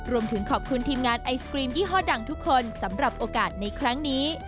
รวมถึงขอบคุณทีมงานไอศกรีมยี่ห้อดังทุกคนสำหรับโอกาสในครั้งนี้